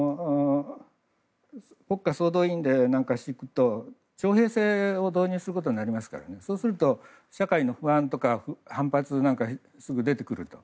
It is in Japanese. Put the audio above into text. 国家総動員令なんか敷くと徴兵制を導入することになりますからそうすると社会の不安とか反発なんかすぐ出てくると。